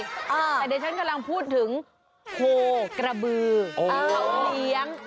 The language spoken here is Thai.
แต่เดี๋ยวฉันกำลังพูดถึงโคกระบือเขาเลี้ยง